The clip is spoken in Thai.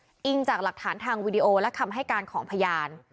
อิงจากหลักฐานทางวีดีโอและคำให้การของพยาน